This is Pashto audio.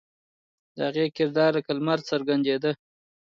د هغې کردار لکه لمر څرګندېده.